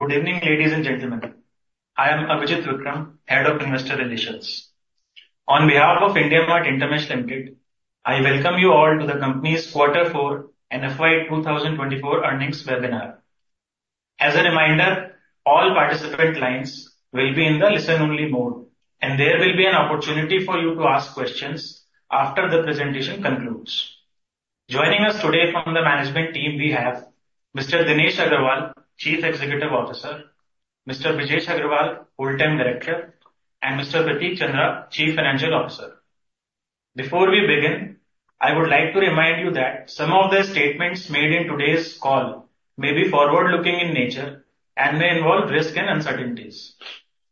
Good evening, ladies and gentlemen. I am Avijit Vikram, Head of Investor Relations. On behalf of IndiaMART InterMESH Limited, I welcome you all to the company's Q4 and FY 2024 earnings webinar. As a reminder, all participant lines will be in the listen-only mode, and there will be an opportunity for you to ask questions after the presentation concludes. Joining us today from the management team, we have Mr. Dinesh Agarwal, Chief Executive Officer, Mr. Brijesh Agrawal, Whole-time Director, and Mr. Prateek Chandra, Chief Financial Officer. Before we begin, I would like to remind you that some of the statements made in today's call may be forward-looking in nature and may involve risks and uncertainties.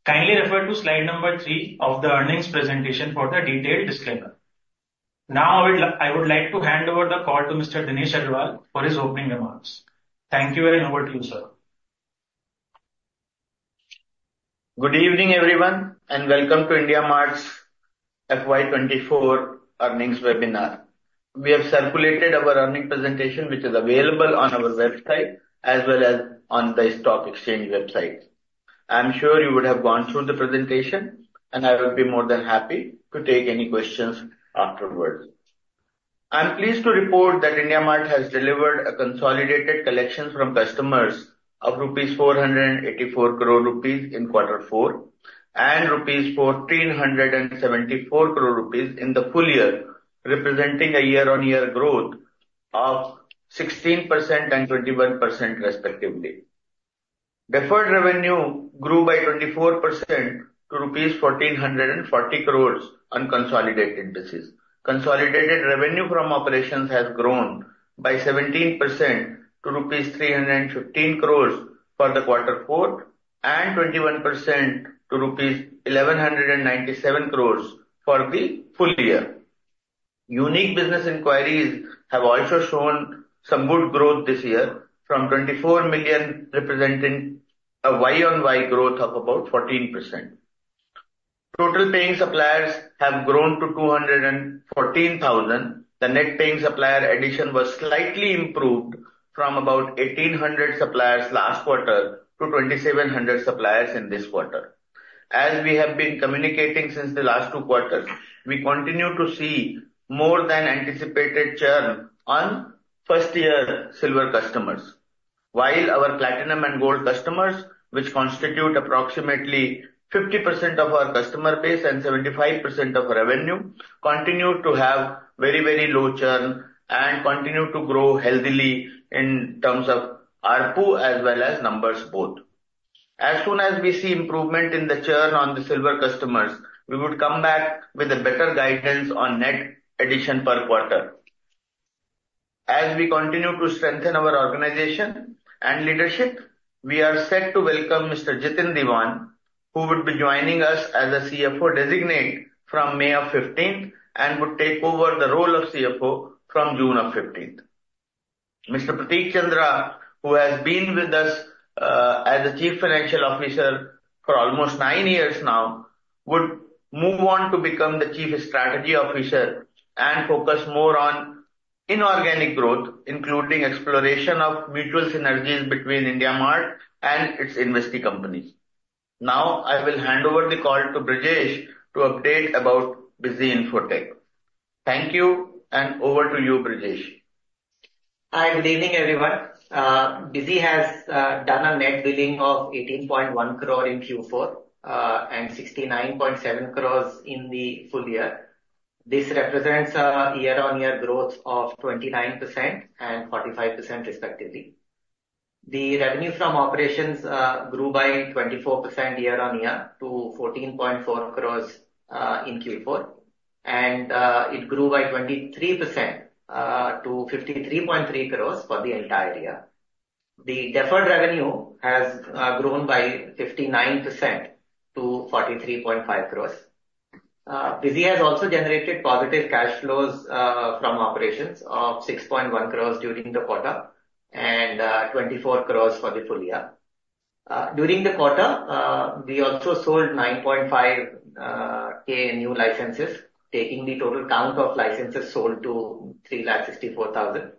Kindly refer to slide number 3 of the earnings presentation for the detailed disclaimer. Now, I would like to hand over the call to Mr. Dinesh Agarwal for his opening remarks. Thank you, and over to you, sir. Good evening, everyone, and welcome to IndiaMART's FY 24 earnings webinar. We have circulated our earnings presentation, which is available on our website as well as on the stock exchange website. I'm sure you would have gone through the presentation, and I will be more than happy to take any questions afterwards. I'm pleased to report that IndiaMART has delivered a consolidated collection from customers of 484 crore rupees in Q4, and 1,474 crore rupees in the full year, representing a year-on-year growth of 16% and 21% respectively. Deferred revenue grew by 24% to rupees 1,440 crore on consolidated basis. Consolidated revenue from operations has grown by 17% to rupees 315 crore for the Q4, and 21% to rupees 1,197 crore for the full year. Unique business inquiries have also shown some good growth this year, from 24 million, representing a Y-o-Y growth of about 14%. Total paying suppliers have grown to 214,000. The net paying supplier addition was slightly improved from about 1,800 suppliers last quarter to 2,700 suppliers in this quarter. As we have been communicating since the last two quarters, we continue to see more than anticipated churn on first-year Silver customers. While our Platinum and Gold customers, which constitute approximately 50% of our customer base and 75% of revenue, continue to have very, very low churn and continue to grow healthily in terms of ARPU as well as numbers both. As soon as we see improvement in the churn on the Silver customers, we would come back with a better guidance on net addition per quarter. As we continue to strengthen our organization and leadership, we are set to welcome Mr. Jitin Diwan, who would be joining us as a CFO designate from May fifteenth, and would take over the role of CFO from June fifteenth. Mr. Prateek Chandra, who has been with us, as the Chief Financial Officer for almost nine years now, would move on to become the Chief Strategy Officer and focus more on inorganic growth, including exploration of mutual synergies between IndiaMART and its investee companies. Now, I will hand over the call to Brijesh to update about Busy Infotech. Thank you, and over to you, Brijesh. Hi, good evening, everyone. Busy has done a net billing of 18.1 crore in Q4, and 69.7 crore in the full year. This represents a year-on-year growth of 29% and 45% respectively. The revenue from operations grew by 24% year-on-year to 14.4 crore in Q4, and it grew by 23% to 53.3 crore for the entire year. The deferred revenue has grown by 59% to 43.5 crore. Busy has also generated positive cash flows from operations of 6.1 crore during the quarter, and 24 crore for the full year. During the quarter, we also sold 9,500 new licenses, taking the total count of licenses sold to 364,000.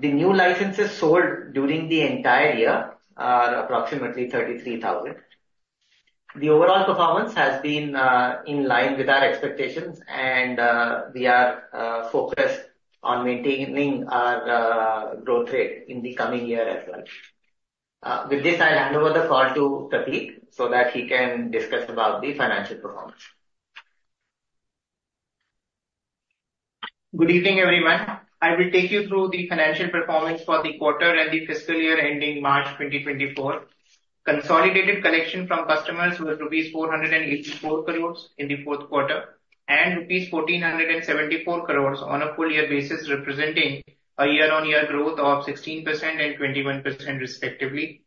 The new licenses sold during the entire year are approximately 33,000. The overall performance has been in line with our expectations, and we are focused on maintaining our growth rate in the coming year as well. With this, I'll hand over the call to Prateek so that he can discuss about the financial performance. Good evening, everyone. I will take you through the financial performance for the quarter and the fiscal year ending March 2024. Consolidated collection from customers were rupees 484 crores in the Q4, and rupees 1,474 crores on a full year basis, representing a year-on-year growth of 16% and 21% respectively.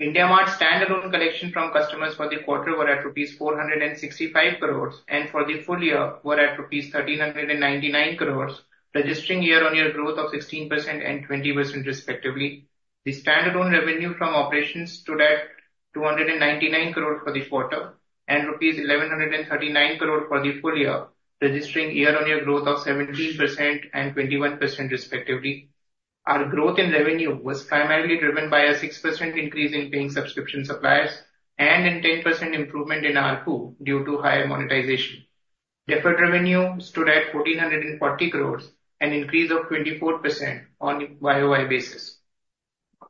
IndiaMART standalone collection from customers for the quarter were at rupees 465 crores, and for the full year were at rupees 1,399 crores, registering year-on-year growth of 16% and 20% respectively. The standalone revenue from operations stood at- ...INR 299 crore for the quarter and rupees 1,139 crore for the full year, registering year-on-year growth of 17% and 21% respectively. Our growth in revenue was primarily driven by a 6% increase in paying subscription suppliers and a 10% improvement in ARPU due to higher monetization. Other revenue stood at 1,440 crore, an increase of 24% on a YOY basis.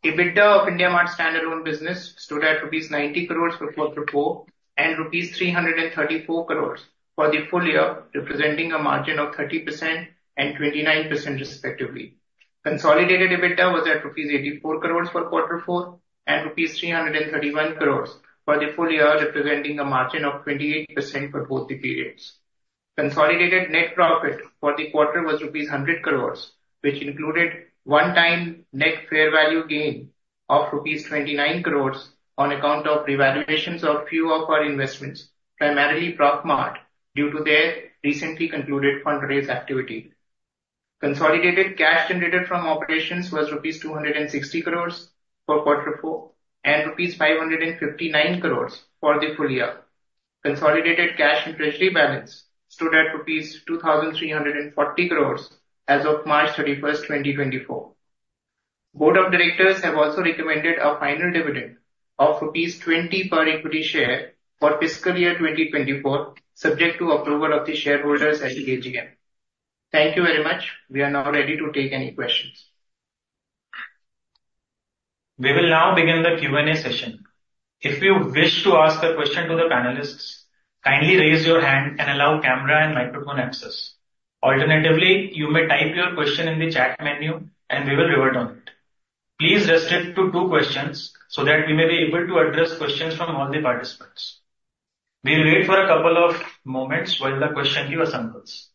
EBITDA of IndiaMART standalone business stood at rupees 90 crore for Q4, and rupees 334 crore for the full year, representing a margin of 30% and 29% respectively. Consolidated EBITDA was at rupees 84 crore for Q4, and rupees 331 crore for the full year, representing a margin of 28% for both the periods. Consolidated net profit for the quarter was rupees 100 crore, which included one-time net fair value gain of rupees 29 crore on account of revaluations of a few of our investments, primarily ProcMart, due to their recently concluded fundraise activity. Consolidated cash generated from operations was rupees 260 crore for Q4 and rupees 559 crore for the full year. Consolidated cash and treasury balance stood at rupees 2,340 crore as of March 31st, 2024. Board of Directors have also recommended a final dividend of INR 20 per equity share for fiscal year 2024, subject to approval of the shareholders at the AGM. Thank you very much. We are now ready to take any questions. We will now begin the Q&A session. If you wish to ask a question to the panelists, kindly raise your hand and allow camera and microphone access. Alternatively, you may type your question in the chat menu and we will revert on it. Please restrict to two questions so that we may be able to address questions from all the participants. We'll wait for a couple of moments while the question queue assembles.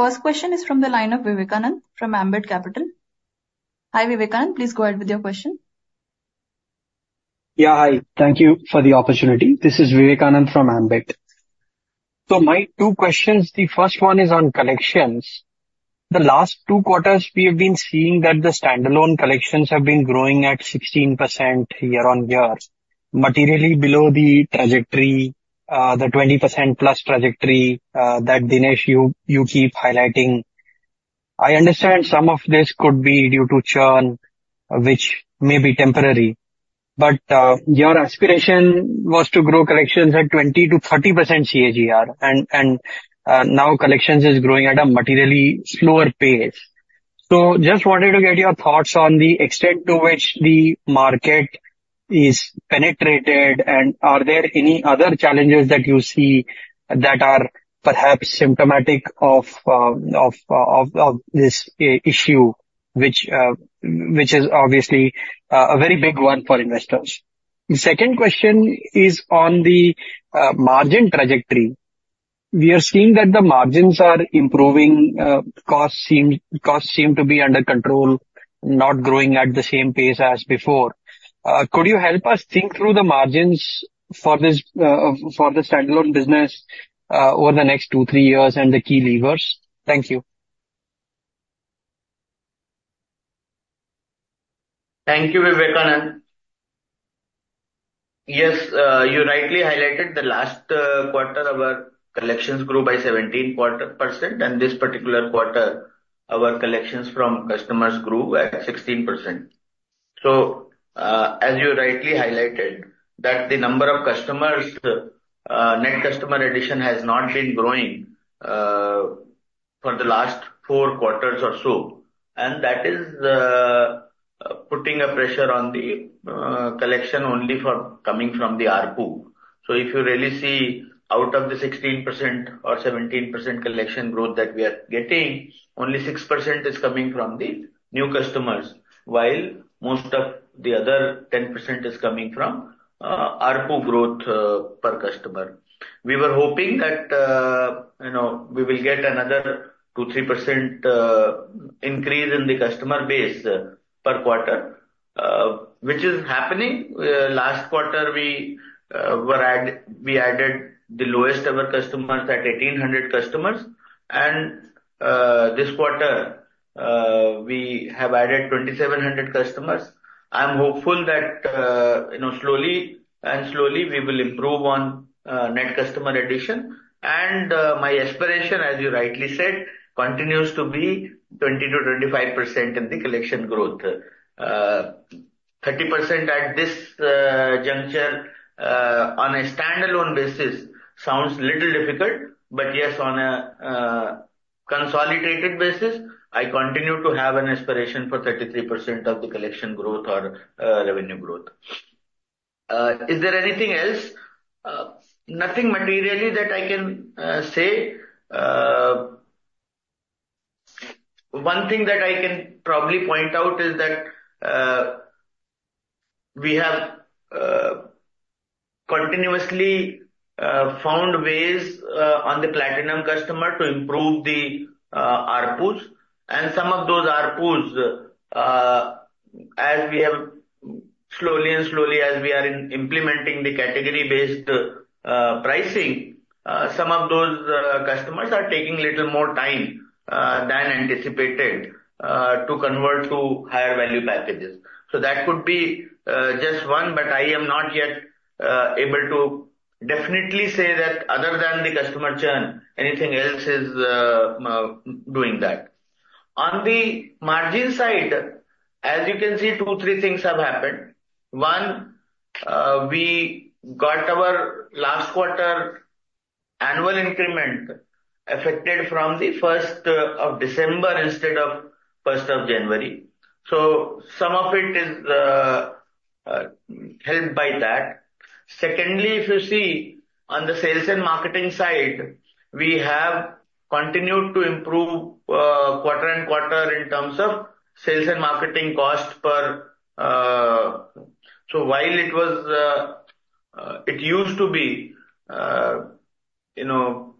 First question is from the line of Vivekanand Subbaraman from Ambit Capital. Hi, Vivekanand Subbaraman, please go ahead with your question. Yeah, hi. Thank you for the opportunity. This is Vivekanand Subbaraman from Ambit. So my two questions, the first one is on collections. The last two quarters, we have been seeing that the standalone collections have been growing at 16% year-on-year, materially below the trajectory, the 20%+ trajectory that, Dinesh, you keep highlighting. I understand some of this could be due to churn, which may be temporary, but your aspiration was to grow collections at 20%-30% CAGR, and now collections is growing at a materially slower pace. So just wanted to get your thoughts on the extent to which the market is penetrated, and are there any other challenges that you see that are perhaps symptomatic of this issue, which is obviously a very big one for investors? The second question is on the margin trajectory. We are seeing that the margins are improving, costs seem, costs seem to be under control, not growing at the same pace as before. Could you help us think through the margins for this, for the standalone business, over the next two, three years and the key levers? Thank you. Thank you, Vivekanand. Yes, you rightly highlighted the last quarter, our collections grew by 17% quarter-over-quarter, and this particular quarter, our collections from customers grew at 16%. So, as you rightly highlighted, that the number of customers, net customer addition has not been growing for the last four quarters or so, and that is putting a pressure on the collection only for coming from the ARPU. So if you really see, out of the 16% or 17% collection growth that we are getting, only 6% is coming from the new customers, while most of the other 10% is coming from ARPU growth per customer. We were hoping that, you know, we will get another 2-3% increase in the customer base per quarter, which is happening. Last quarter, we added the lowest ever customers at 1,800 customers, and this quarter, we have added 2,700 customers. I'm hopeful that, you know, slowly and slowly we will improve on net customer addition. And my aspiration, as you rightly said, continues to be 20%-25% in the collection growth. Thirty percent at this juncture, on a standalone basis sounds a little difficult, but yes, on a consolidated basis, I continue to have an aspiration for 33% of the collection growth or revenue growth. Is there anything else? Nothing materially that I can say. One thing that I can probably point out is that we have continuously found ways on the Platinum customer to improve the ARPUs. And some of those ARPUs, as we have slowly and slowly as we are implementing the category-based, pricing, some of those, customers are taking little more time, than anticipated, to convert to higher value packages. So that could be, just one, but I am not yet, able to definitely say that other than the customer churn, anything else is, doing that. On the margin side, as you can see, two, three things have happened. One, we got our last quarter annual increment affected from the first of December instead of first of January. So some of it is, helped by that. Secondly, if you see on the sales and marketing side, we have continued to improve, quarter-and-quarter in terms of sales and marketing cost per, So while it was, it used to be, you know,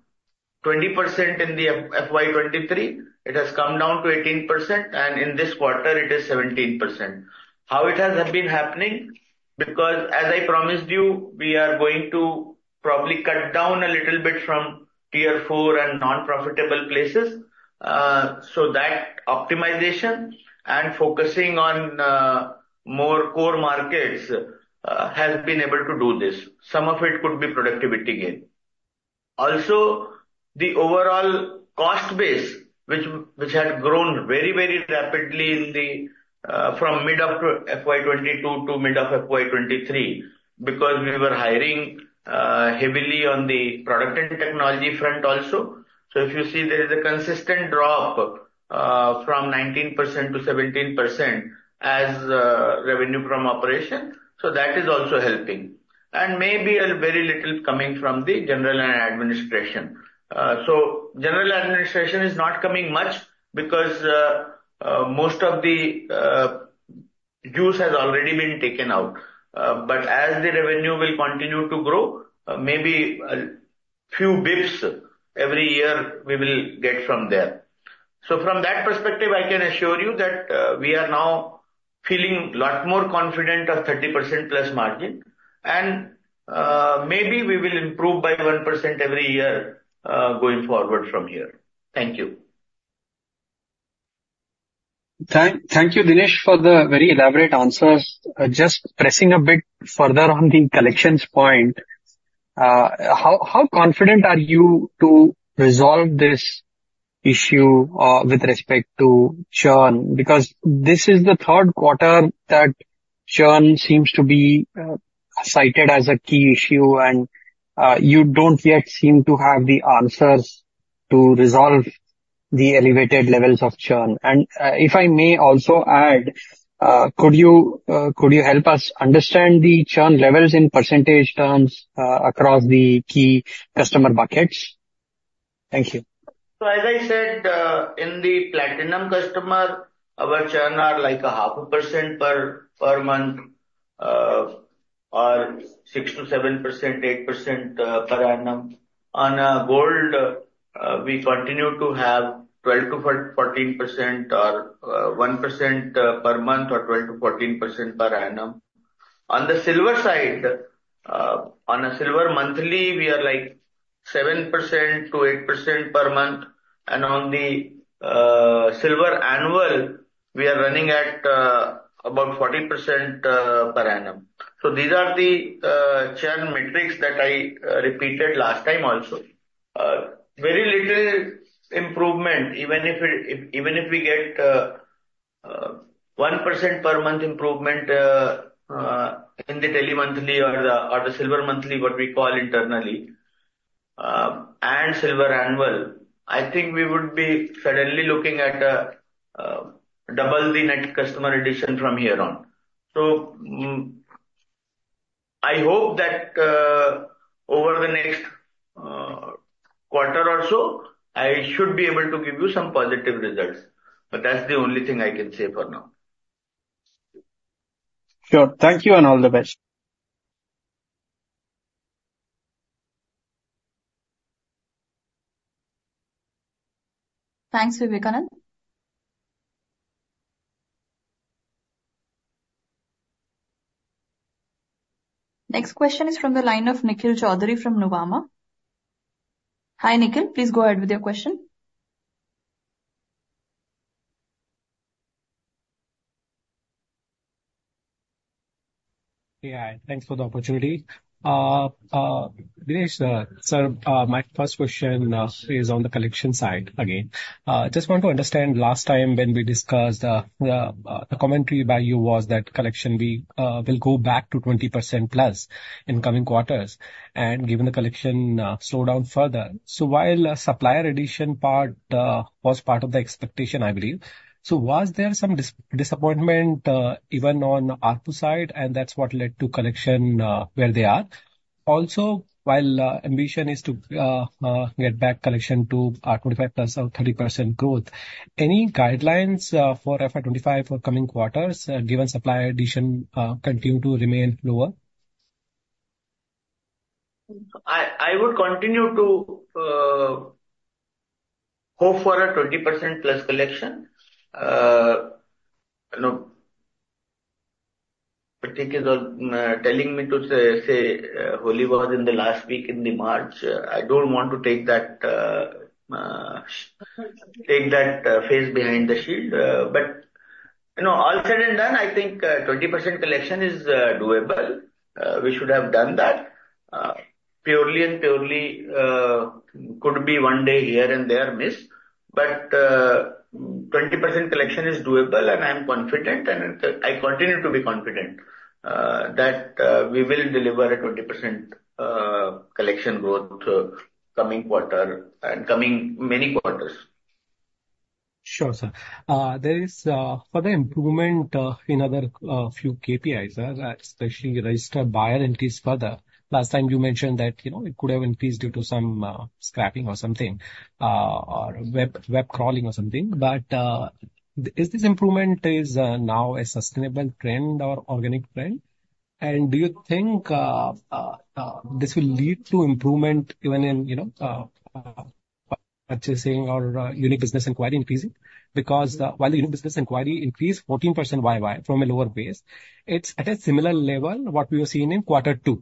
20% in the FY 2023, it has come down to 18%, and in this quarter it is 17%. How it has been happening? Because as I promised you, we are going to probably cut down a little bit from Tier 4 and non-profitable places. So that optimization and focusing on more core markets has been able to do this. Some of it could be productivity gain. Also, the overall cost base, which had grown very, very rapidly from mid of FY 2022 to mid of FY 2023, because we were hiring heavily on the product and technology front also. So if you see, there is a consistent drop from 19%-17% as revenue from operation, so that is also helping. Maybe a very little coming from the general and administration. So general administration is not coming much because most of the juice has already been taken out. But as the revenue will continue to grow, maybe a few bits every year we will get from there. So from that perspective, I can assure you that we are now feeling a lot more confident of 30% plus margin, and maybe we will improve by 1% every year going forward from here. Thank you. Thank, thank you, Dinesh, for the very elaborate answers. Just pressing a bit further on the collections point, how confident are you to resolve this issue with respect to churn? Because this is the Q3 that churn seems to be cited as a key issue, and you don't yet seem to have the answers to resolve the elevated levels of churn. And, if I may also add, could you help us understand the churn levels in percentage terms across the key customer buckets? Thank you. So as I said, in the Platinum customer, our churn are like 0.5% per, per month, or 6%-7%, 8% per annum. On, Gold, we continue to have 12%-14% or, one percent per month, or 12%-14% per annum. On the Silver side, on a Silver Monthly, we are like 7%-8% per month, and on the, Silver Annual, we are running at, about 14% per annum. So these are the, churn metrics that I, repeated last time also. Very little improvement, even if we get 1% per month improvement in the daily, monthly or the Silver Monthly, what we call internally, and Silver Annual, I think we would be suddenly looking at double the net customer addition from here on. So, I hope that over the next quarter or so, I should be able to give you some positive results. But that's the only thing I can say for now. Sure. Thank you, and all the best. Thanks, Vivekanand. Next question is from the line of Nikhil Choudhary from Nuvama. Hi, Nikhil. Please go ahead with your question. Yeah, thanks for the opportunity. Dinesh, so, my first question is on the collection side again. Just want to understand, last time when we discussed, the commentary by you was that collection, we will go back to 20% plus in coming quarters and given the collection slow down further. So while supplier addition part was part of the expectation, I believe, so was there some disappointment even on ARPU side, and that's what led to collection where they are? Also, while ambition is to get back collection to 25% or 30% growth, any guidelines for FY 2025 for coming quarters, given supplier addition continue to remain lower?... I would continue to hope for a 20%+ collection. You know, Prateek is telling me to say Holi was in the last week in March. I don't want to take that face behind the shield. But, you know, all said and done, I think 20% collection is doable. We should have done that. Purely and purely could be one day here and there missed, but 20% collection is doable, and I'm confident, and I continue to be confident that we will deliver a 20% collection growth coming quarter and coming many quarters. Sure, sir. There is, for the improvement, in other few KPIs, sir, especially registered buyer increased further. Last time you mentioned that, you know, it could have increased due to some, scrapping or something, or web, web crawling or something. But, is this improvement is, now a sustainable trend or organic trend? And do you think, this will lead to improvement even in, you know, purchasing or unique business inquiry increasing? Because, while the unique business inquiry increased 14% YoY from a lower base, it's at a similar level what we were seeing in Q2.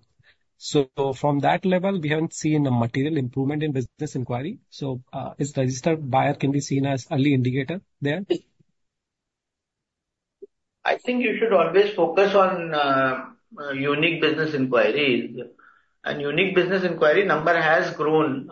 So from that level, we haven't seen a material improvement in business inquiry. So, is registered buyer can be seen as early indicator there? I think you should always focus on unique business inquiries. And unique business inquiry number has grown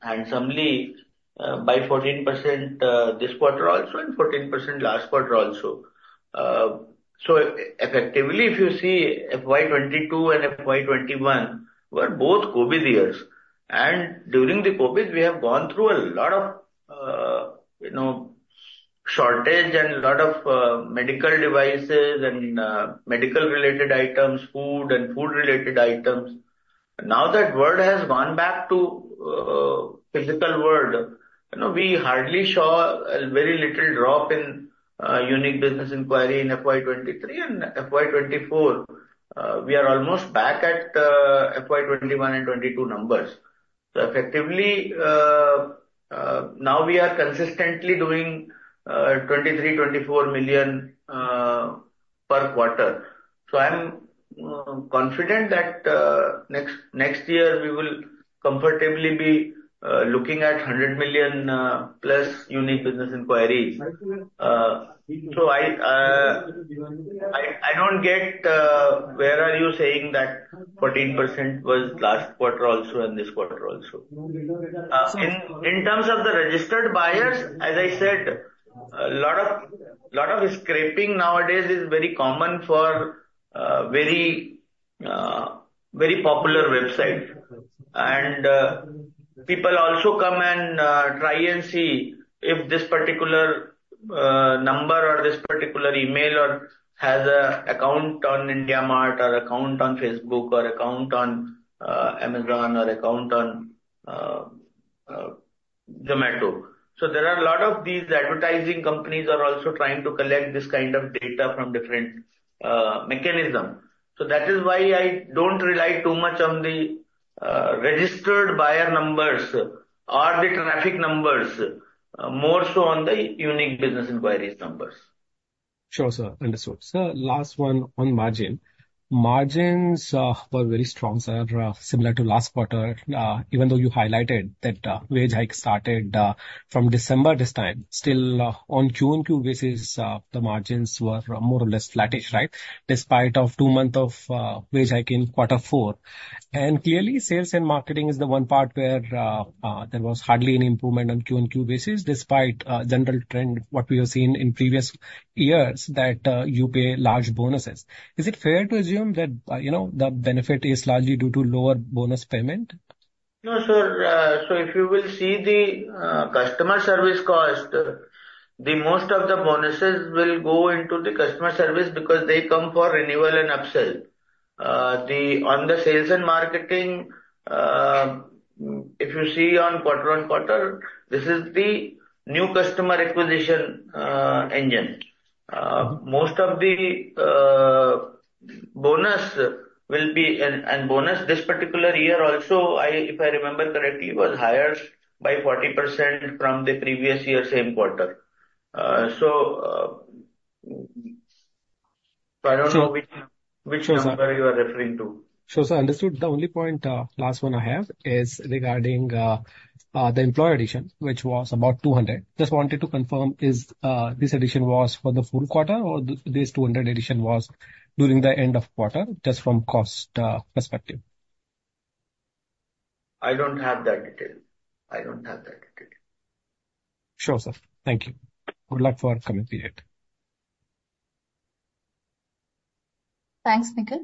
handsomely by 14% this quarter also, and 14% last quarter also. So effectively, if you see FY 2022 and FY 2021 were both COVID years, and during the COVID, we have gone through a lot of, you know, shortage and a lot of medical devices and medical related items, food and food related items. Now, that world has gone back to physical world, you know, we hardly saw a very little drop in unique business inquiry in FY 2023 and FY 2024. We are almost back at FY 2021 and 2022 numbers. So effectively, now we are consistently doing 23-24 million per quarter. So I'm confident that next year we will comfortably be looking at 100 million+ unique business inquiries. So I don't get where are you saying that 14% was last quarter also and this quarter also? In terms of the registered buyers, as I said, a lot of scraping nowadays is very common for very popular website. And people also come and try and see if this particular number or this particular email or has an account on IndiaMART or account on Facebook or account on Amazon or account on Zomato. So there are a lot of these advertising companies are also trying to collect this kind of data from different mechanism. So that is why I don't rely too much on the registered buyer numbers or the traffic numbers, more so on the unique business inquiries numbers. Sure, sir. Understood. Sir, last one on margin. Margins were very strong, sir, similar to last quarter. Even though you highlighted that wage hike started from December this time, still, on Q-o-Q basis, the margins were more or less flattish, right? Despite two months of wage hike in Q4. And clearly, sales and marketing is the one part where there was hardly any improvement on Q-o-Q basis, despite general trend what we have seen in previous years, that you pay large bonuses. Is it fair to assume that, you know, the benefit is largely due to lower bonus payment? No, sir. So if you will see the customer service cost, the most of the bonuses will go into the customer service because they come for renewal and upsell. On the sales and marketing, if you see on quarter-on-quarter, this is the new customer acquisition engine. Most of the bonus will be... and bonus this particular year also, I, if I remember correctly, was higher by 40% from the previous year, same quarter. So I don't know which number you are referring to. Sure, sir. Understood. The only point, last one I have is regarding, the employee addition, which was about 200. Just wanted to confirm, is this addition was for the full quarter, or this 200 addition was during the end of quarter, just from cost perspective? I don't have that detail. I don't have that detail. Sure, sir. Thank you. Good luck for upcoming period. Thanks, Nikhil.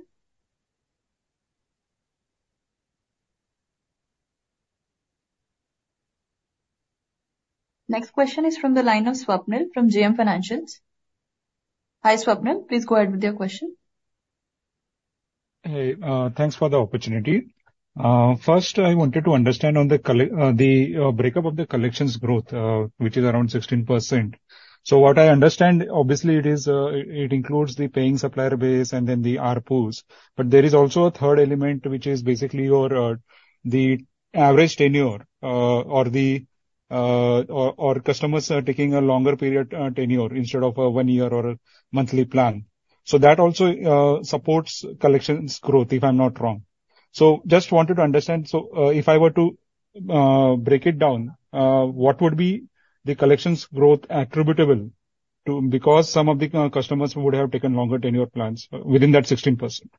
Next question is from the line of Swapnil from JM Financial. Hi, Swapnil, please go ahead with your question. Hey, thanks for the opportunity. First, I wanted to understand the breakup of the collections growth, which is around 16%. So what I understand, obviously, it includes the paying supplier base and then the ARPUs. But there is also a third element, which is basically the average tenure or customers are taking a longer period tenure instead of one year or a monthly plan. So that also supports collections growth, if I'm not wrong. So just wanted to understand. So, if I were to break it down, what would be the collections growth attributable to? Because some of the customers would have taken longer tenure plans within that 16%.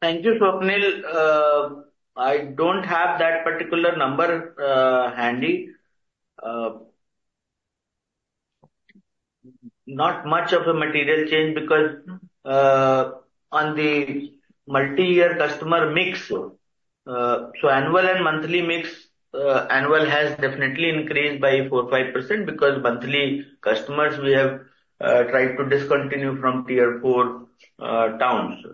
Thank you, Swapnil. I don't have that particular number handy. Not much of a material change, because on the multi-year customer mix. So annual and monthly mix, annual has definitely increased by 4%-5%, because monthly customers we have tried to discontinue from tier four towns.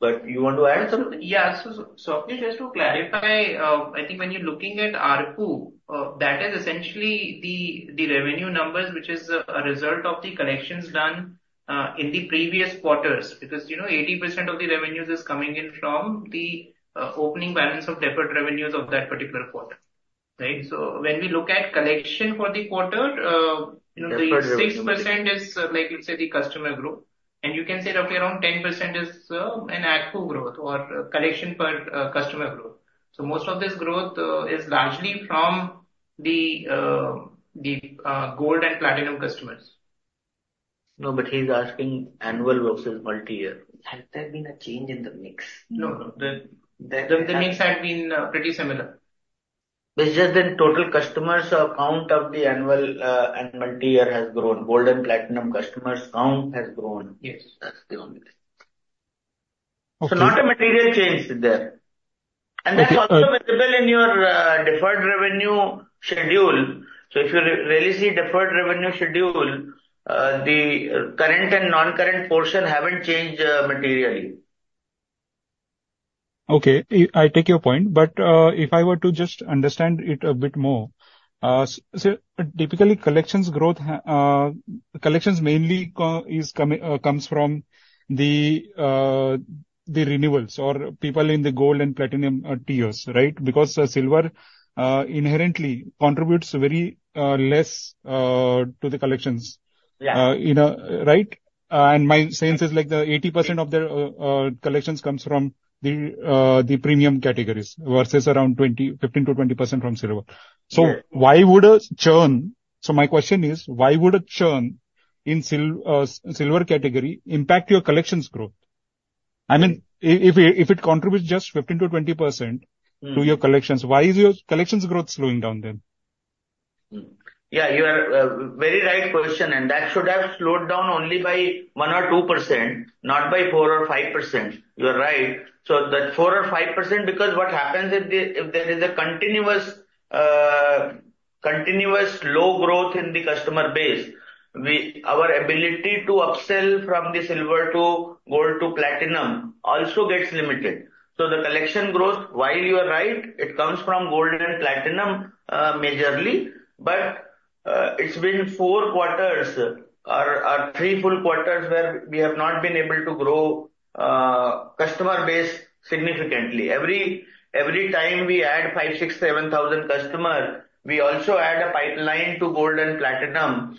But you want to add something? Yeah. So, Swapnil, just to clarify, I think when you're looking at ARPU, that is essentially the, the revenue numbers, which is a, a result of the collections done in the previous quarters. Because, you know, 80% of the revenues is coming in from the opening balance of deferred revenues of that particular quarter, right? So when we look at collection for the quarter, you know, the 6% is, like you say, the customer growth. And you can say roughly around 10% is an ARPU growth or collection per customer growth. So most of this growth is largely from the Gold and Platinum customers. No, but he's asking annual versus multi-year. Has there been a change in the mix? No, no. The mix had been pretty similar. It's just the total customers or count of the annual, and multi-year has grown. Gold and platinum customers count has grown. Yes, that's the only thing. Not a material change there. That's also available in your Deferred Revenue schedule. If you really see Deferred Revenue schedule, the current and non-current portion haven't changed materially. Okay, I take your point, but if I were to just understand it a bit more. So typically collections growth, collections mainly comes from the renewals or people in the Gold and Platinum tiers, right? Because Silver inherently contributes very less to the collections. Yeah. You know, right? And my sense is like the 80% of the collections comes from the premium categories, versus around 20, 15%-20% from Silver. Yeah. So why would a churn... So my question is, why would a churn in Silver category impact your collections growth? I mean, if it contributes just 15%-20%- Mm. To your collections, why is your collections growth slowing down then? Mm. Yeah, you are very right question, and that should have slowed down only by 1 or 2%, not by 4 or 5%. You are right. So that 4 or 5%, because what happens if the, if there is a continuous continuous low growth in the customer base, we our ability to upsell from the Silver to Gold to Platinum also gets limited. So the collection growth, while you are right, it comes from Gold and Platinum majorly, but it's been four quarters or or three full quarters where we have not been able to grow customer base significantly. Every time we add 5,000, 6,000, 7,000 customers, we also add a pipeline to Gold and Platinum,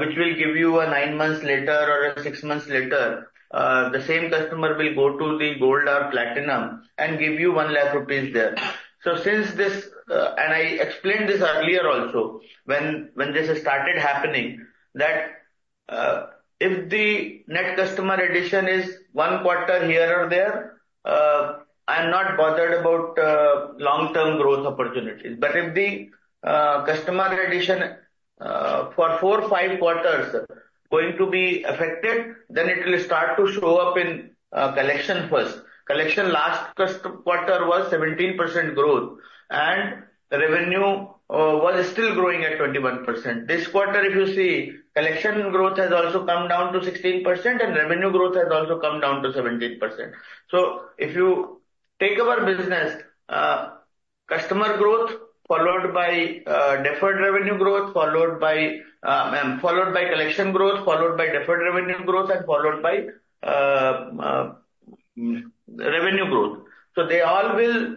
which will give you nine months later or six months later, the same customer will go to the Gold or Platinum and give you 100,000 rupees there. So since this, and I explained this earlier also, when this started happening, that if the net customer addition is one quarter here or there, I'm not bothered about long-term growth opportunities. But if the customer addition for four, five quarters is going to be affected, then it will start to show up in collection first. Collection last quarter was 17% growth, and revenue was still growing at 21%. This quarter, if you see, collection growth has also come down to 16%, and revenue growth has also come down to 17%. So if you take our business, customer growth, followed by deferred revenue growth, followed by collection growth, followed by deferred revenue growth, and followed by revenue growth. So they all will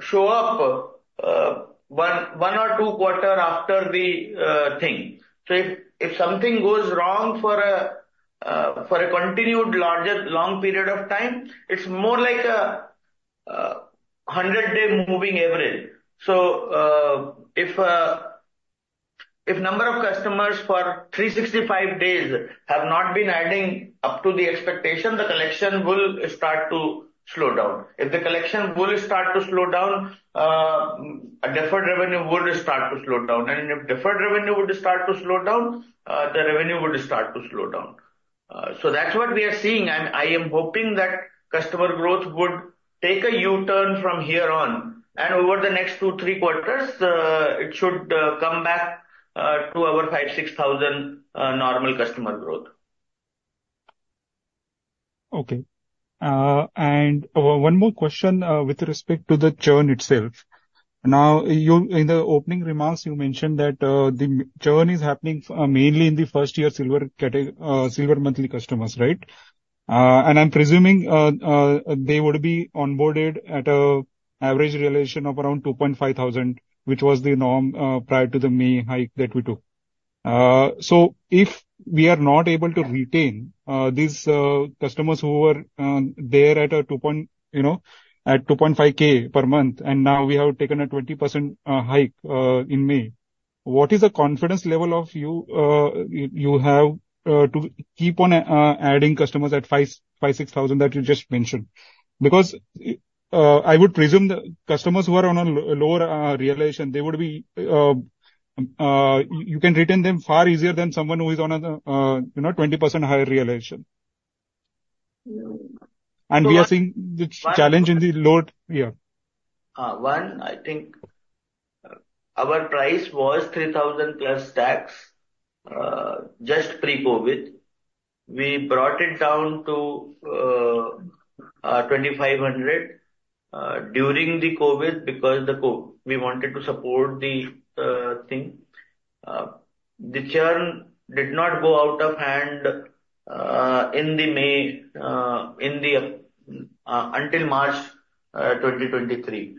show up one or two quarters after the thing. So if something goes wrong for a continued larger long period of time, it's more like a 100-day moving average. So if the number of customers for 365 days have not been adding up to the expectation, the collection will start to slow down. If the collection will start to slow down, a deferred revenue would start to slow down. If Deferred Revenue would start to slow down, the revenue would start to slow down. So that's what we are seeing, and I am hoping that customer growth would take a U-turn from here on, and over the next two-three quarters, it should come back to our 5,000-6,000 normal customer growth. Okay. One more question with respect to the churn itself. Now, you in the opening remarks, you mentioned that the churn is happening mainly in the first-year Silver Monthly customers, right? And I'm presuming they would be onboarded at an average realization of around 2,500, which was the norm prior to the May hike that we took. So if we are not able to retain these customers who were there at a two, you know, at 2,500 per month, and now we have taken a 20% hike in May, what is the confidence level that you have to keep on adding customers at 5,500-6,000 that you just mentioned? Because, I would presume the customers who are on a lower realization, they would be, you can retain them far easier than someone who is on a, you know, 20% higher realization. And we are seeing the challenge in the lower- One, I think, our price was 3000 plus tax, just pre-COVID. We brought it down to 2500 during the COVID, because the COVID. We wanted to support the thing. The churn did not go out of hand in the May until March 2023.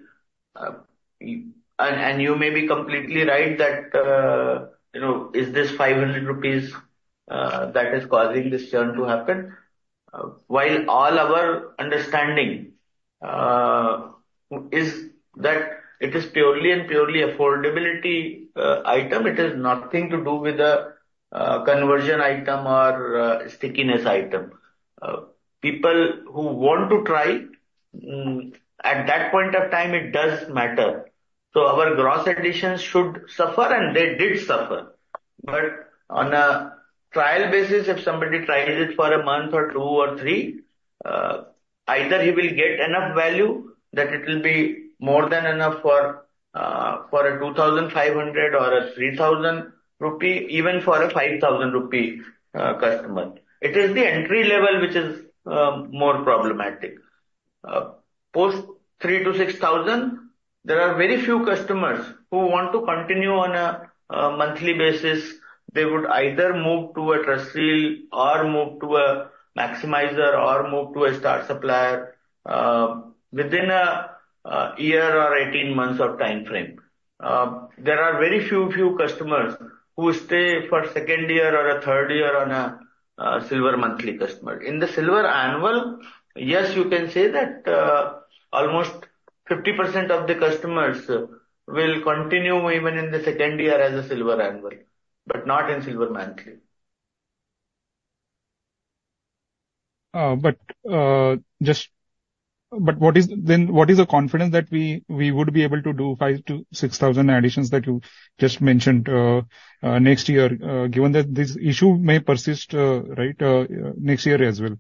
And you may be completely right that, you know, is this 500 rupees that is causing this churn to happen? While all our understanding is that it is purely and purely affordability item, it is nothing to do with the conversion item or stickiness item. People who want to try at that point of time, it does matter. So our gross additions should suffer, and they did suffer. But on a trial basis, if somebody tries it for a month or two or three, either he will get enough value that it'll be more than enough for, for a 2,500 or a 3,000 rupee, even for a 5,000 rupee customer. It is the entry level which is more problematic. Post 3,000-6,000, there are very few customers who want to continue on a monthly basis. They would either move to a Trust Seal or move to a Maximiser or move to a Star Supplier within a year or 18 months of time frame. There are very few, few customers who stay for second year or a third year on a Silver Monthly customer. In the Silver Annual, yes, you can say that, almost 50% of the customers will continue even in the second year as a Silver Annual, but not in Silver Monthly. But, just... But what is, then what is the confidence that we, we would be able to do 5,000-6,000 additions that you just mentioned, next year, given that this issue may persist, right, next year as well?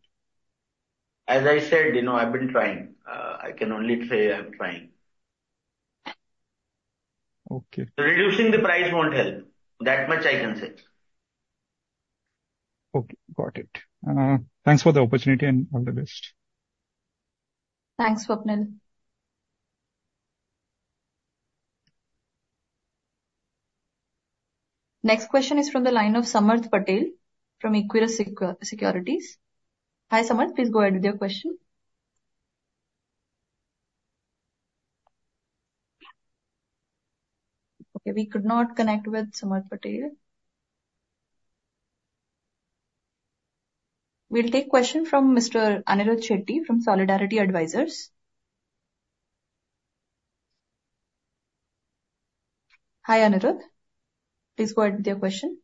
As I said, you know, I've been trying. I can only say I'm trying. Okay. Reducing the price won't help. That much I can say. Okay, got it. Thanks for the opportunity and all the best. Thanks, Swapnil. Next question is from the line of Samarth Patel from Equirus Securities. Hi, Samarth, please go ahead with your question. Okay, we could not connect with Samarth Patel. We'll take question from Mr. Anirudh Shetty from Solidarity Advisors. Hi, Anirudh, please go ahead with your question.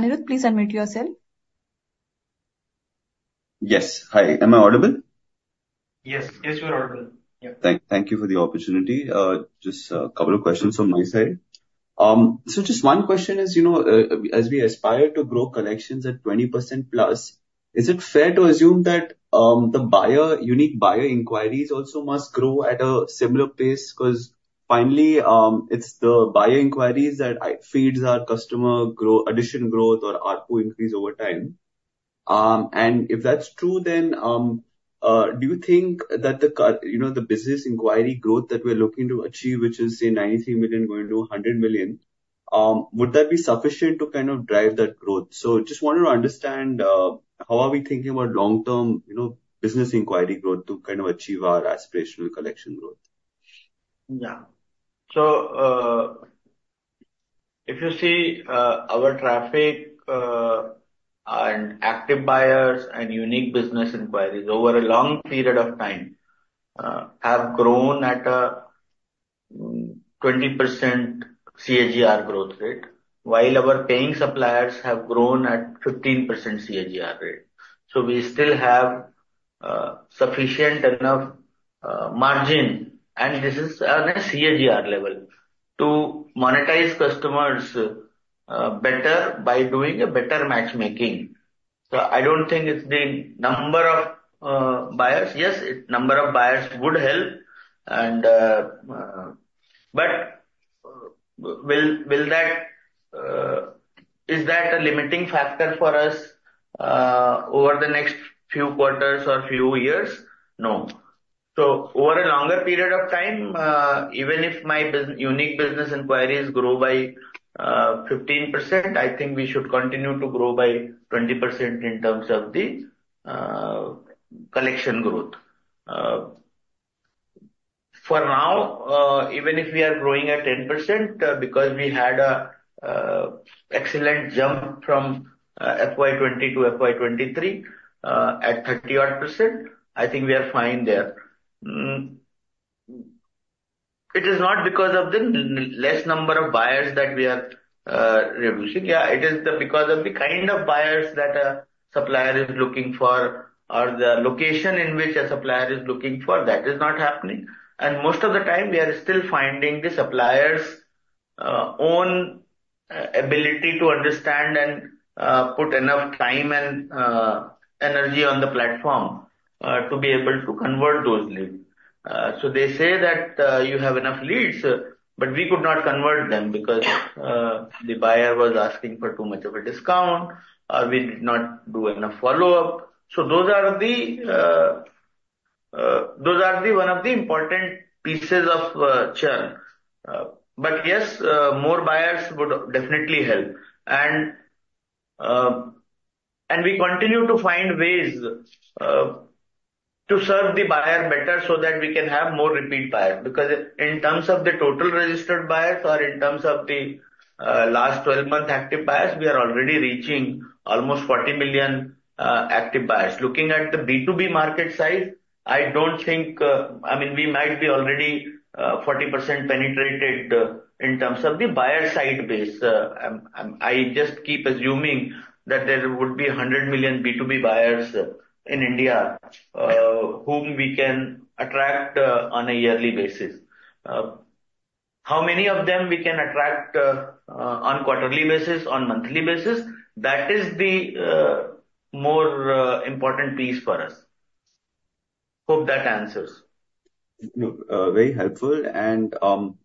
Anirudh, please unmute yourself. Yes. Hi, am I audible? Yes. Yes, you are audible. Yeah. Thank you for the opportunity. Just a couple of questions from my side. So just one question is, you know, as we aspire to grow collections at 20% plus, is it fair to assume that the unique buyer inquiries also must grow at a similar pace? 'Cause finally, it's the buyer inquiries that feeds our customer growth, addition growth or ARPU increase over time. And if that's true, then do you think that you know, the business inquiry growth that we're looking to achieve, which is say 93 million going to 100 million, would that be sufficient to kind of drive that growth? So just wanted to understand how are we thinking about long-term, you know, business inquiry growth to kind of achieve our aspirational collection growth? Yeah. So, if you see, our traffic, and active buyers and unique business inquiries over a long period of time, have grown at a 20% CAGR growth rate, while our paying suppliers have grown at 15% CAGR rate. So we still have sufficient enough margin, and this is on a CAGR level, to monetize customers better by doing a better matchmaking. So I don't think it's the number of buyers. Yes, number of buyers would help, and, but will that is that a limiting factor for us over the next few quarters or few years? No. So over a longer period of time, even if my business unique business inquiries grow by 15%, I think we should continue to grow by 20% in terms of the collection growth. For now, even if we are growing at 10%, because we had an excellent jump from FY 2022 to FY 2023 at 30-odd%, I think we are fine there. It is not because of the less number of buyers that we are reducing. Yeah, it is because of the kind of buyers that a supplier is looking for, or the location in which a supplier is looking for, that is not happening. And most of the time, we are still finding the suppliers' own ability to understand and put enough time and energy on the platform to be able to convert those leads. So they say that you have enough leads, but we could not convert them, because the buyer was asking for too much of a discount, or we did not do enough follow-up. So those are the one of the important pieces of churn. But yes, more buyers would definitely help. And we continue to find ways to serve the buyer better so that we can have more repeat buyers, because in terms of the total registered buyers or in terms of the last 12-month active buyers, we are already reaching almost 40 million active buyers. Looking at the B2B market size, I don't think... I mean, we might be already 40% penetrated in terms of the buyer side base. I just keep assuming that there would be 100 million B2B buyers in India, whom we can attract, on a yearly basis. How many of them we can attract, on quarterly basis, on monthly basis, that is the more important piece for us. Hope that answers. Very helpful. And,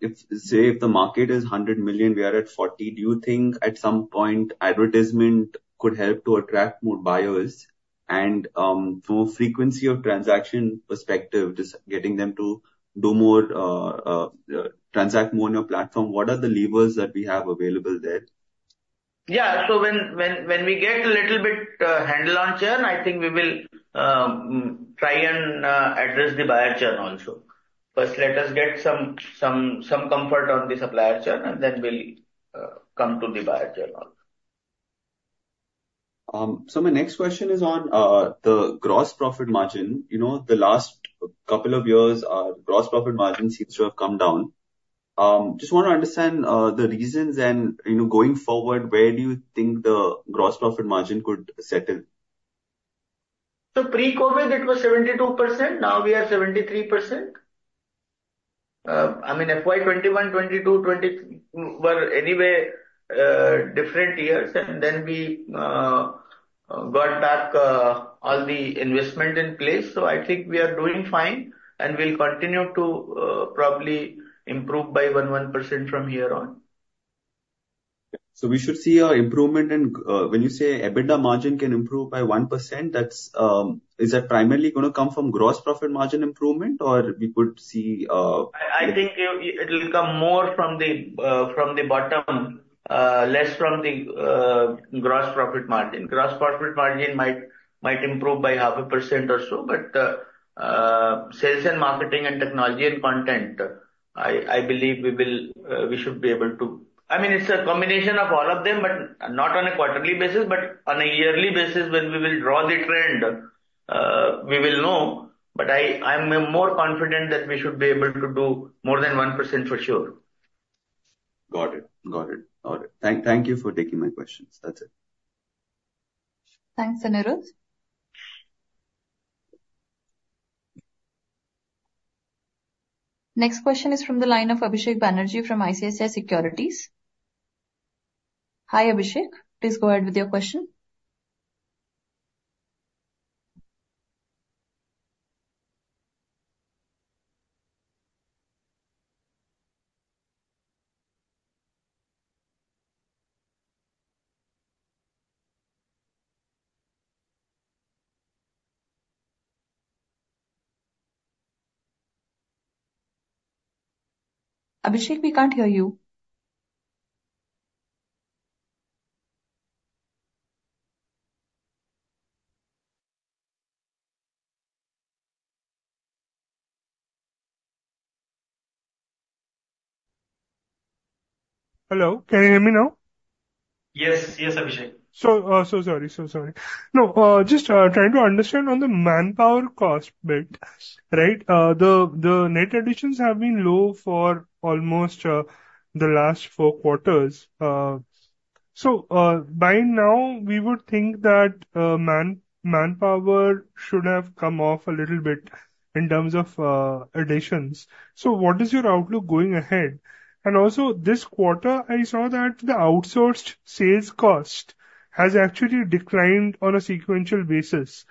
if, say, if the market is 100 million, we are at 40, do you think at some point advertisement could help to attract more buyers? And, from a frequency of transaction perspective, just getting them to do more, transact more on your platform, what are the levers that we have available there? Yeah. So when we get a little bit handle on churn, I think we will try and address the buyer churn also. First, let us get some comfort on the supplier churn, and then we'll come to the buyer churn also. So my next question is on the gross profit margin. You know, the last couple of years, gross profit margin seems to have come down. Just want to understand the reasons and, you know, going forward, where do you think the gross profit margin could settle? Pre-COVID, it was 72%, now we are 73%. I mean, FY 2021, 2022, 202... were anyway different years, and then we got back all the investment in place. I think we are doing fine, and we'll continue to probably improve by 1, 1% from here on. So we should see an improvement in when you say EBITDA margin can improve by 1%, that's is that primarily going to come from gross profit margin improvement, or we could see I think it'll come more from the bottom, less from the gross profit margin. Gross profit margin might improve by 0.5% or so, but sales and marketing and technology and content, I believe we will we should be able to... I mean, it's a combination of all of them, but not on a quarterly basis, but on a yearly basis, when we will draw the trend, we will know. But I'm more confident that we should be able to do more than 1% for sure. Got it. Thank you for taking my questions. That's it. Thanks, Anirudh. Next question is from the line of Abhishek Banerjee from ICICI Securities. Hi, Abhishek, please go ahead with your question. Abhishek, we can't hear you. Hello, can you hear me now? Yes, yes, Abhishek. So, so sorry. So sorry. No, just, trying to understand on the manpower cost bit, right? The, the net additions have been low for almost, the last four quarters. So, by now, we would think that, manpower should have come off a little bit in terms of, additions. So what is your outlook going ahead? And also, this quarter, I saw that the outsourced sales cost has actually declined on a sequential basis,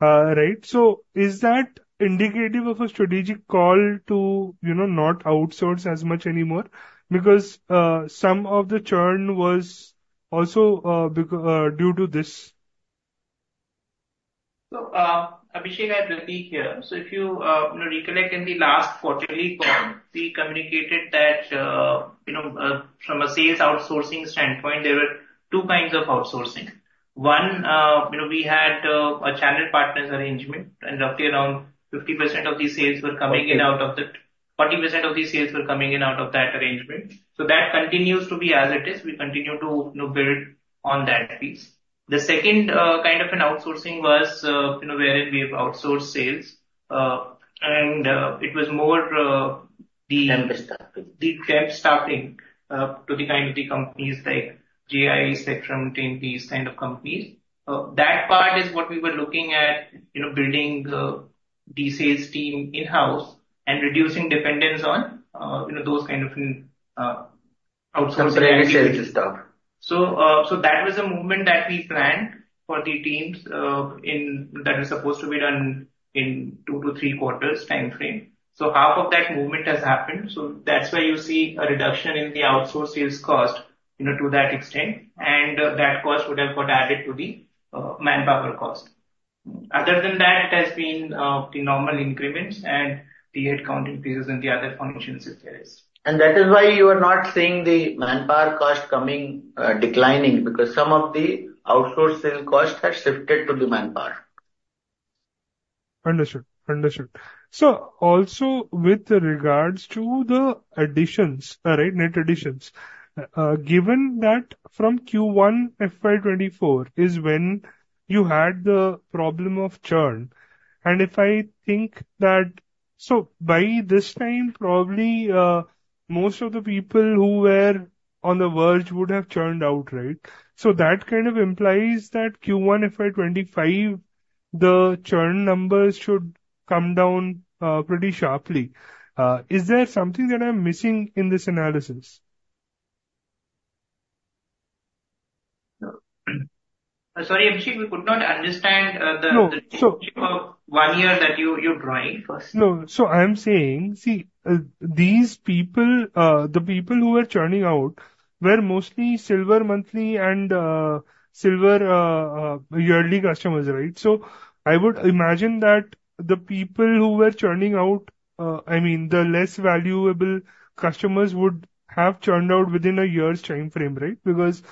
right? So is that indicative of a strategic call to, you know, not outsource as much anymore? Because, some of the churn was also, due to this. So, Abhishek, I, Prateek here. So if you, you know, recollect in the last quarterly call, we communicated that, you know, from a sales outsourcing standpoint, there were two kinds of outsourcing. One, you know, we had a channel partners arrangement, and roughly around 50% of the sales were coming in out of the- 40% of the sales were coming in out of that arrangement. So that continues to be as it is. We continue to, you know, build on that piece. The second kind of an outsourcing was, you know, wherein we have outsourced sales, and it was more, the- Temp staffing. The temp staffing to the kind of the companies like GI, Spectrum, TeamLease kind of companies. That part is what we were looking at, you know, building the sales team in-house and reducing dependence on, you know, those kind of outsourcing. Temporary sales staff. So, so that was a movement that we planned for the teams, that was supposed to be done in two to three quarters time frame. So half of that movement has happened, so that's why you see a reduction in the outsourced sales cost, you know, to that extent, and that cost would have got added to the, manpower cost. Other than that, it has been, the normal increments and the headcount increases in the other functions, if there is. That is why you are not seeing the manpower cost coming, declining, because some of the outsourced sales costs have shifted to the manpower. Understood. Understood. So also, with regards to the additions, right, net additions, given that from Q1 FY24 is when you had the problem of churn, and if I think that... So by this time, probably, most of the people who were on the verge would have churned out, right? So that kind of implies that Q1 FY25, the churn numbers should come down, pretty sharply. Is there something that I'm missing in this analysis? Sorry, Abhishek, we could not understand the- No. one year that you, you're drawing first. No. So I'm saying, see, these people, the people who were churning out were mostly Silver Monthly and Silver yearly customers, right? So I would imagine that the people who were churning out, I mean, the less valuable customers would have churned out within a year's time frame, right? Because,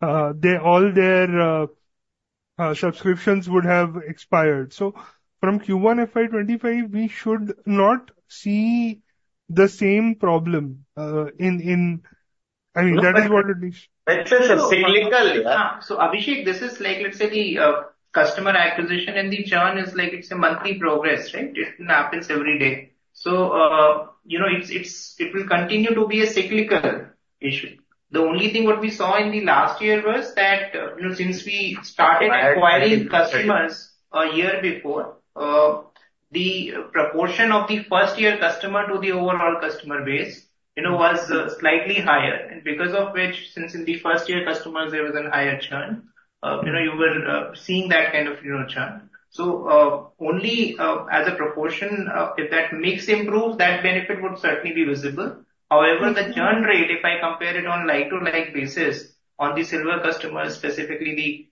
they all their subscriptions would have expired. So from Q1 FY25, we should not see the same problem, in, in... I mean, that is what at least- It's a cyclical, yeah. So, Abhishek, this is like, let's say, the customer acquisition, and the churn is like it's a monthly progress, right? It happens every day. So, you know, it will continue to be a cyclical issue. The only thing what we saw in the last year was that, you know, since we started acquiring customers a year before, the proportion of the first-year customer to the overall customer base, you know, was slightly higher. And because of which, since in the first-year customers, there was a higher churn, you know, you were seeing that kind of, you know, churn. So, only, as a proportion, if that mix improves, that benefit would certainly be visible. However, the churn rate, if I compare it on like-for-like basis on the Silver customers, specifically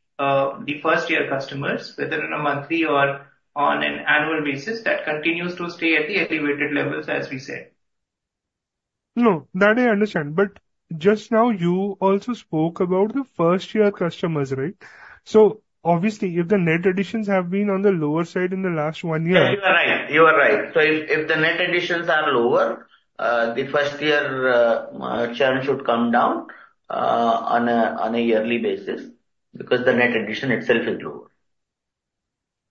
the first-year customers, whether on a monthly or on an annual basis, that continues to stay at the elevated levels, as we said. No, that I understand. But just now, you also spoke about the first-year customers, right? So obviously, if the net additions have been on the lower side in the last one year- You are right. You are right. So if the net additions are lower, the first year, churn should come down, on a yearly basis, because the net addition itself is lower.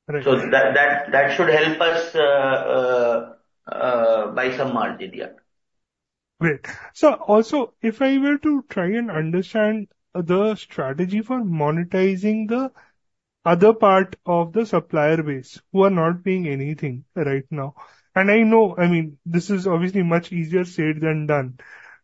Understood. So that should help us by some margin, yeah. Great. So also, if I were to try and understand the strategy for monetizing the other part of the supplier base, who are not paying anything right now. And I know, I mean, this is obviously much easier said than done.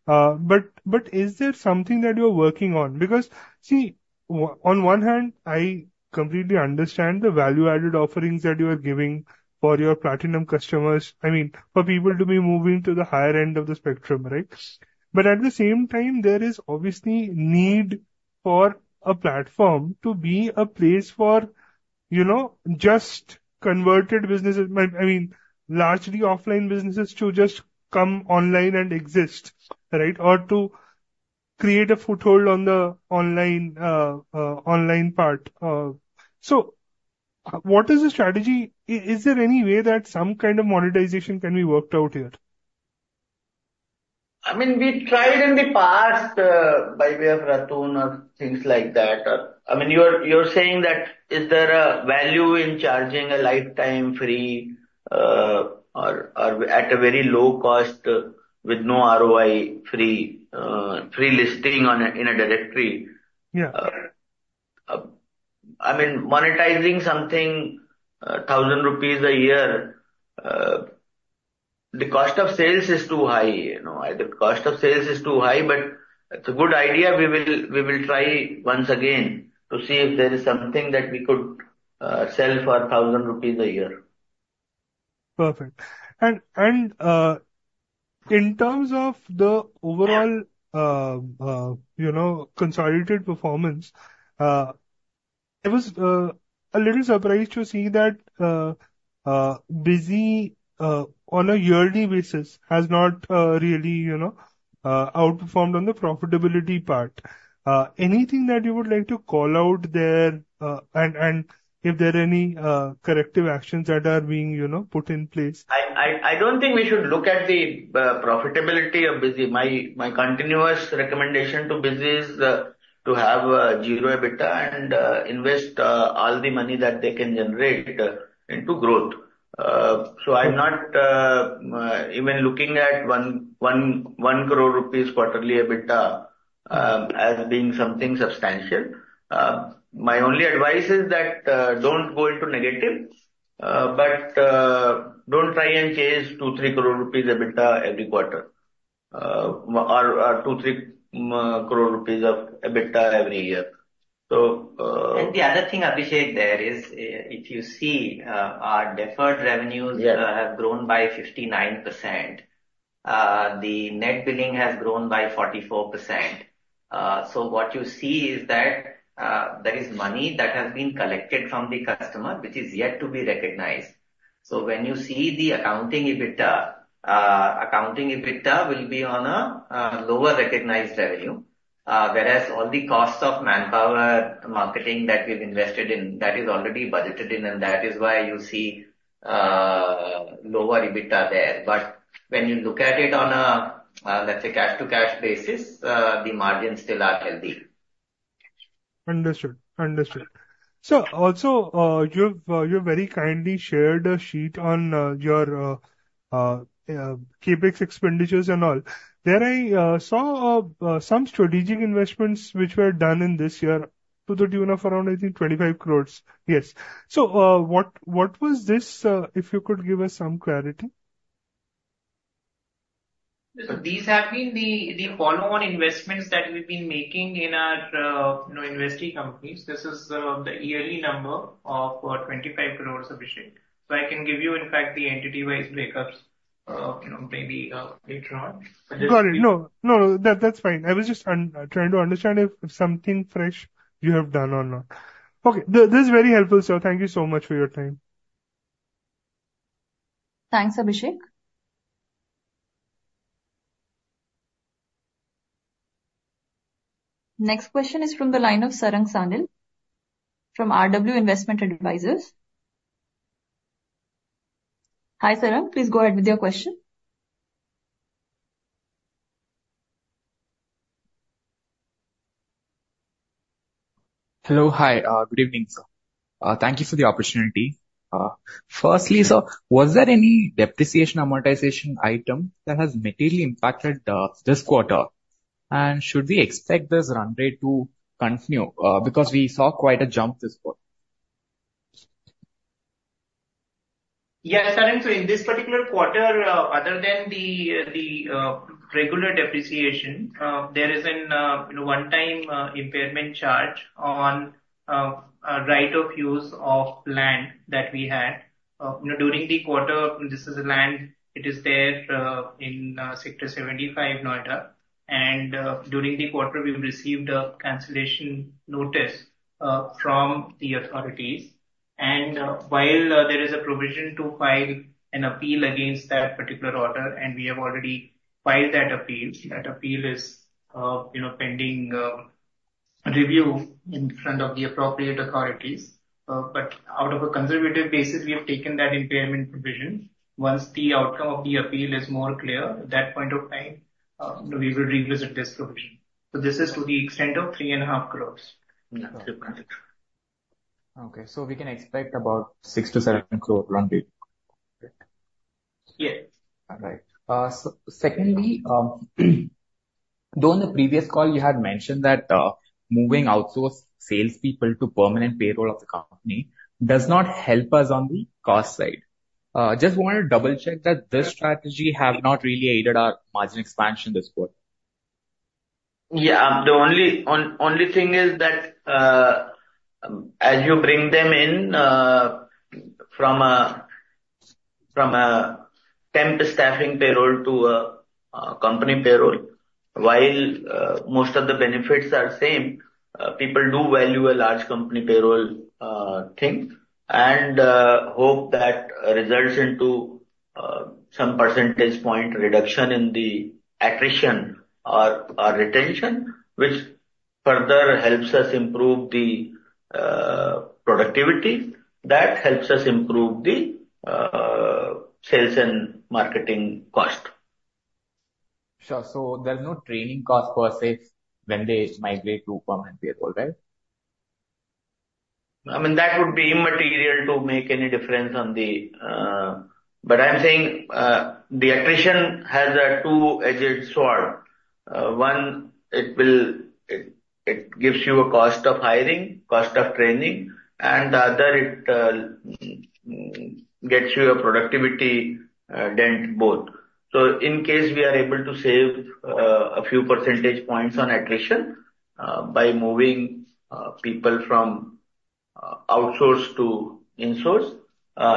But, but is there something that you're working on? Because, see, on one hand, I completely understand the value-added offerings that you are giving for your Platinum customers, I mean, for people to be moving to the higher end of the spectrum, right? But at the same time, there is obviously need for a platform to be a place for, you know, just converted businesses. I mean, largely offline businesses to just come online and exist, right? Or to create a foothold on the online, online part. So what is the strategy? Is there any way that some kind of monetization can be worked out here? I mean, we tried in the past, by way of Ratoon or things like that. I mean, you're, you're saying that is there a value in charging a lifetime free? ... or at a very low cost with no ROI, free, free listing in a directory. Yeah. I mean, monetizing something 1,000 rupees a year, the cost of sales is too high, you know. The cost of sales is too high, but it's a good idea. We will, we will try once again to see if there is something that we could sell for 1,000 rupees a year. Perfect. And in terms of the overall, you know, consolidated performance, I was a little surprised to see that, Busy, on a yearly basis, has not really, you know, outperformed on the profitability part. Anything that you would like to call out there, and if there are any corrective actions that are being, you know, put in place? I don't think we should look at the profitability of Busy. My continuous recommendation to Busy is to have zero EBITDA and invest all the money that they can generate into growth. So I'm not even looking at 1 crore rupees quarterly EBITDA as being something substantial. My only advice is that don't go into negative, but don't try and chase 2-3 crore rupees EBITDA every quarter or 2-3 crore rupees of EBITDA every year. So The other thing, Abhishek, there is, if you see, our deferred revenues- Yeah. have grown by 59%, the net billing has grown by 44%. So what you see is that, there is money that has been collected from the customer, which is yet to be recognized. So when you see the accounting EBITDA, accounting EBITDA will be on a lower recognized revenue, whereas all the costs of manpower marketing that we've invested in, that is already budgeted in, and that is why you see lower EBITDA there. But when you look at it on a, let's say, cash-to-cash basis, the margins still are healthy. Understood. Understood. So also, you've very kindly shared a sheet on your CapEx expenditures and all. There, I saw some strategic investments which were done in this year to the tune of around, I think, 25 crore. Yes. So, what was this? If you could give us some clarity. These have been the follow-on investments that we've been making in our, you know, investee companies. This is the yearly number of 25 crore, Abhishek. So I can give you, in fact, the entity-wise breakups, you know, maybe later on. Got it. No, no, that, that's fine. I was just trying to understand if something fresh you have done or not. Okay, this is very helpful, sir. Thank you so much for your time. Thanks, Abhishek. Next question is from the line of Sarang Sanil, from RW Investment Advisors. Hi, Sarang, please go ahead with your question. Hello. Hi, good evening, sir. Thank you for the opportunity. Firstly, sir, was there any depreciation amortization item that has materially impacted this quarter? And should we expect this run rate to continue? Because we saw quite a jump this quarter. Yeah, Sarang, so in this particular quarter, other than the regular depreciation, there is a you know, one-time impairment charge on a right of use of land that we had. During the quarter, this is the land, it is there in Sector 75, Noida. And during the quarter, we received a cancellation notice from the authorities. And while there is a provision to file an appeal against that particular order, and we have already filed that appeal, that appeal is you know, pending review in front of the appropriate authorities. But out of a conservative basis, we have taken that impairment provision. Once the outcome of the appeal is more clear, that point of time, we will revisit this provision. This is to the extent of 3.5 crore. Okay. So we can expect about 6-7 crore run rate? Yes. All right. So secondly, though in the previous call you had mentioned that, moving outsourced salespeople to permanent payroll of the company does not help us on the cost side. Just wanted to double-check that this strategy have not really aided our margin expansion this quarter. Yeah. The only thing is that, as you bring them in, from a temp staffing payroll to a company payroll, while most of the benefits are same, people do value a large company payroll thing, and hope that results into some percentage point reduction in the attrition or retention, which further helps us improve the productivity. That helps us improve the sales and marketing cost. Sure. So there's no training cost per se when they migrate to permanent payroll, right? ... I mean, that would be immaterial to make any difference on the... But I'm saying, the attrition has a two-edged sword. One, it will give you a cost of hiring, cost of training, and the other, gets you a productivity dent both. So in case we are able to save a few percentage points on attrition by moving people from outsource to in-source,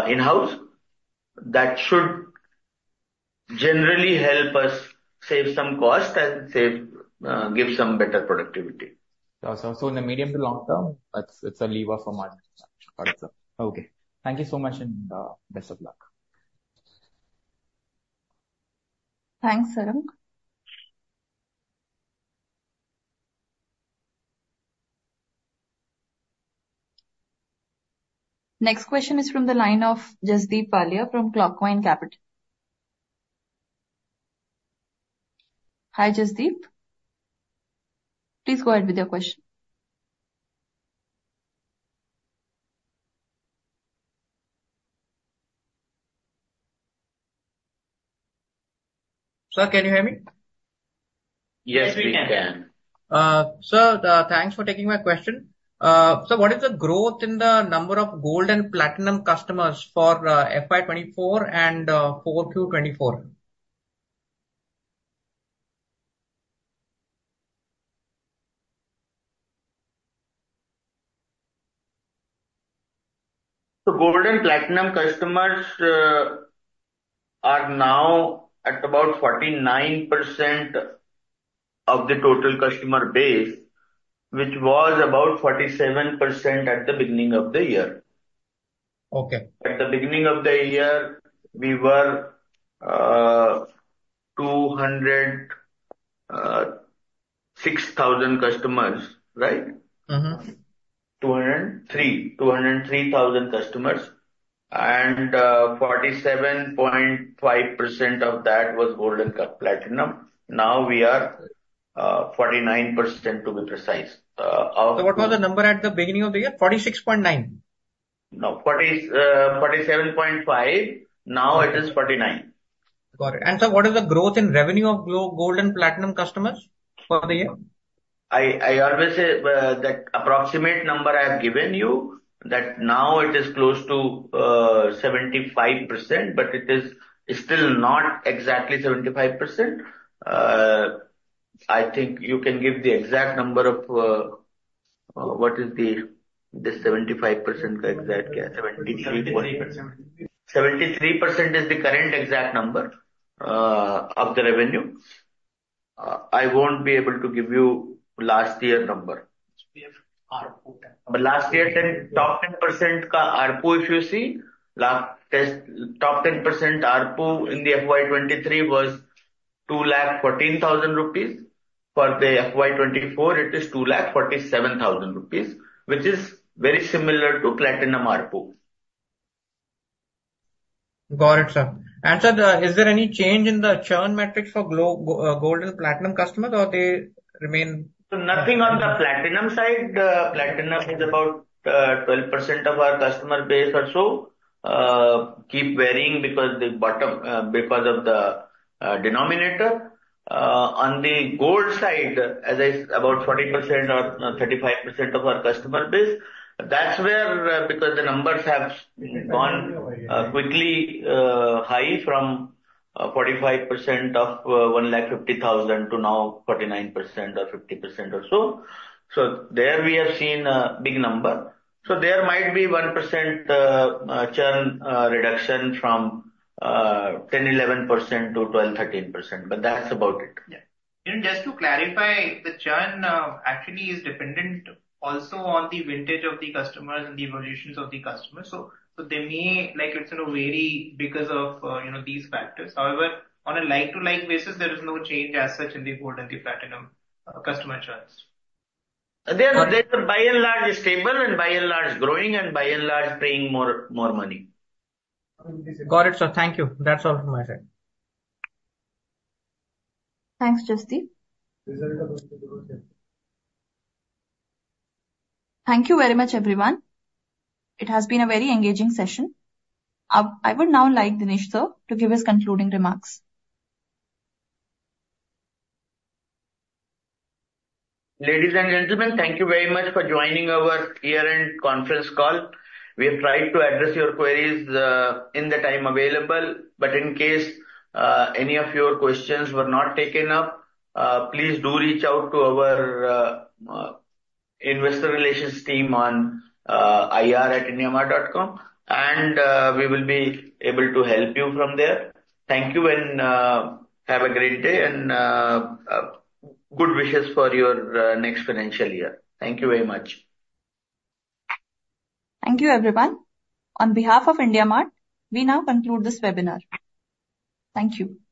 in-house, that should generally help us save some cost and save, give some better productivity. Awesome. So in the medium to long term, that's, it's a lever for margin. Got it, sir. Okay, thank you so much, and best of luck. Thanks, Sarang. Next question is from the line of Jasdeep Walia from Clockvine Capital. Hi, Jasdeep. Please go ahead with your question. Sir, can you hear me? Yes, we can. Sir, thanks for taking my question. So what is the growth in the number of Gold and Platinum customers for FY 2024 and for Q4 2024? Gold and Platinum customers are now at about 49% of the total customer base, which was about 47% at the beginning of the year. Okay. At the beginning of the year, we were 206,000 customers, right? Mm-hmm. 203. 203,000 customers, and 47.5% of that was Gold and Platinum. Now we are 49%, to be precise, of- What was the number at the beginning of the year? 46.9? No, 40, 47.5, now it is 49. Got it. Sir, what is the growth in revenue of your Gold and Platinum customers for the year? I always say, that approximate number I have given you, that now it is close to 75%, but it is still not exactly 75%. I think you can give the exact number of, what is the 75% exact? Seventy-three percent. 73% is the current exact number of the revenue. I won't be able to give you last year number. We have ARPU. Last year, top 10% ARPU, if you see, last year's top 10% ARPU in the FY 2023 was 214,000 rupees. For the FY 2024, it is 247,000 rupees, which is very similar to Platinum ARPU. Got it, sir. And sir, is there any change in the churn metrics for Gold and Platinum customers, or they remain? So nothing on the Platinum side. Platinum is about 12% of our customer base or so, keep varying because the bottom, because of the denominator. On the Gold side, as I said, about 40% or 35% of our customer base, that's where, because the numbers have gone quickly high from 45% of 150,000 to now 49% or 50% or so. So there we have seen a big number. So there might be 1% churn reduction from 10%-11% to 12%-13%, but that's about it. Yeah. Just to clarify, the churn actually is dependent also on the vintage of the customers and the evaluations of the customers. So they may, like, it can vary because of, you know, these factors. However, on a like-for-like basis, there is no change as such in the Gold and the Platinum customer churns. They are, they are by and large stable, and by and large growing, and by and large, paying more, more money. Got it, sir. Thank you. That's all from my side. Thanks, Jasdeep. Thank you very much, everyone. It has been a very engaging session. I would now like Dinesh, sir, to give his concluding remarks. Ladies and gentlemen, thank you very much for joining our year-end conference call. We have tried to address your queries in the time available, but in case any of your questions were not taken up, please do reach out to our investor relations team on ir@indiamart.com, and we will be able to help you from there. Thank you, and have a great day, and good wishes for your next financial year. Thank you very much. Thank you, everyone. On behalf of IndiaMART, we now conclude this webinar. Thank you.